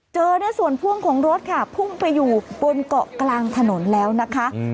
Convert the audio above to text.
ส่วนพ่วงของรถค่ะพุ่งไปอยู่บนเกาะกลางถนนแล้วนะคะ